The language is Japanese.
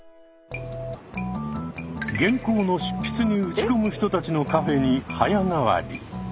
原稿の執筆に打ち込む人たちのカフェに早変わり。